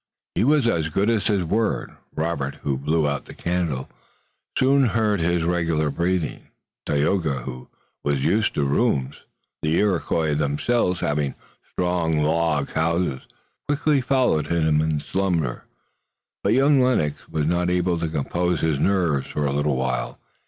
He was as good as his word. Robert, who blew out the candle, soon heard his regular breathing. Tayoga, who was used to rooms, the Iroquois themselves having strong log houses, quickly followed him in slumber, but young Lennox was not able to compose his nerves for a little while.